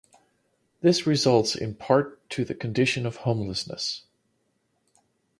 This results in part to the condition of homelessness.